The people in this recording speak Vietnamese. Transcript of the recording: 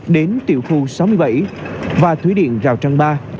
đến tiểu khu sáu mươi bảy và thủy điện rào trăng ba